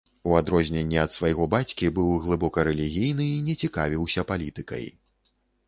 У адрозненне ад свайго бацькі, быў глыбока рэлігійны і не цікавіўся палітыкай.